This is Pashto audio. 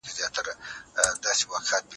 ولي مورنۍ ژبه د زده کړې خوند لوړوي؟